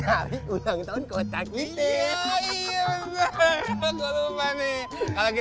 hari ulang tahun kota kita